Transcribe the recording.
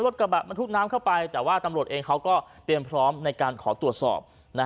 รถบรรทุกน้ำเข้าไปแต่ว่าตำรวจเองเขาก็เตรียมพร้อมในการขอตรวจสอบ